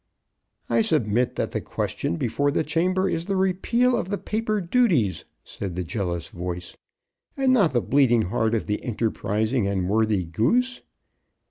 "I submit that the question before the chamber is the repeal of the paper duties," said the jealous voice, "and not the bleeding heart of the enterprising and worthy Goose."